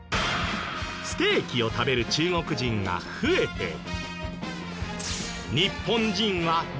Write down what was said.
ステーキを食べる中国人が増えて。